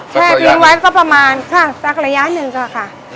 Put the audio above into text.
แค้นแวะก็ประมาณซักระยะนึงค่ะ